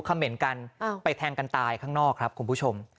เขม่นกันไปแทงกันตายข้างนอกครับคุณผู้ชม